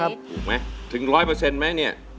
ถูกไหมถึง๑๐๐ไหมเนี่ย